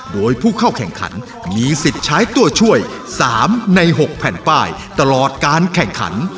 โดยผู้เข้าแข่งขันมีสิทธิ์ใช้ตัวช่วย๓ใน๖แผ่นป้ายตลอดการแข่งขัน